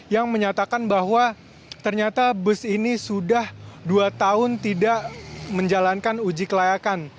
yang menyatakan bahwa ternyata bus ini sudah dua tahun tidak menjalankan uji kelayakan